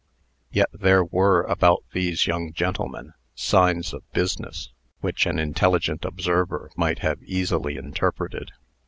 Yet there were, about these young gentlemen, signs of business, which an intelligent observer might have easily interpreted.